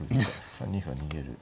３二歩は逃げる。